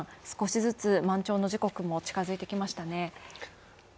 少しずつ満潮の時刻も近づいてきましたね。